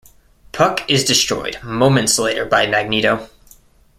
Puck is destroyed moments later by Magneto.